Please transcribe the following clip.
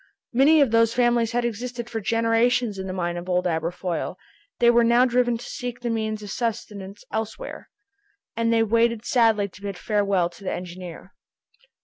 Many of these families had existed for generations in the mine of old Aberfoyle; they were now driven to seek the means of subsistence elsewhere, and they waited sadly to bid farewell to the engineer.